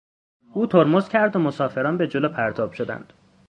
او ترمز کرد و مسافران به جلو پرتاب شدند.